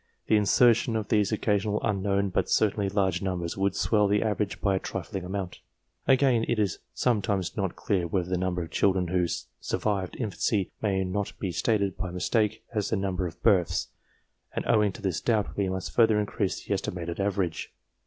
The insertion of these occasional unknown, but certainly large numbers, would swell the average by a trifling amount. Again, it is sometimes not clear whether the number of children who survived infancy may not be stated by mistake as the number of births, and, owing to this doubt, we must further increase the estimated average.